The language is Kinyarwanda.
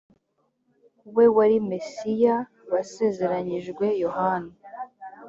we wari mesiya wasezeranyijwe yohana